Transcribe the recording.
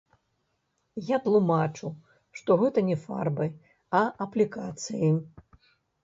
Я тлумачу, што гэта не фарбы, а аплікацыі.